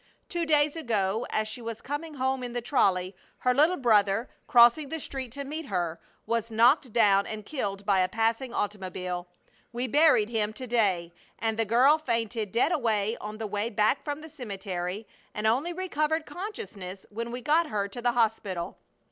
Two days ago, as she was coming home in the trolley, her little brother, crossing the street to meet her, was knocked down and killed by a passing automobile. We buried him to day, and the girl fainted dead away on the way back from the cemetery and only recovered consciousness when we got her to the hospital.